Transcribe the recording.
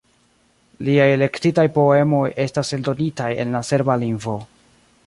Liaj elektitaj poemoj estas eldonitaj en la serba lingvo.